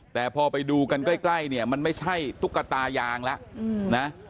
แต่พอไปดูกันใกล้เนี่ยมันไม่ใช่ตุ๊กตายางแล้วนะ